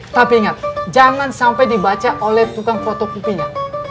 tapi ingat jangan sampai dibaca oleh tukang fotokopinya